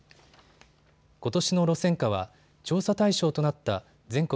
ことしの路線価は調査対象となった全国